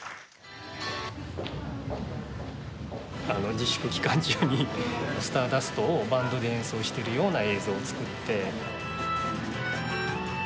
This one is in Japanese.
自粛期間中に「ＳＴＡＲＤＵＳＴ」をバンドで演奏してるような映像を作って。